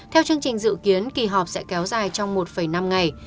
theo chương trình dự kiến kỳ họp sẽ kéo dài trong một năm ngày